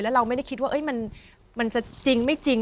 เราไม่ได้คิดว่ามันจะจริงไม่จริง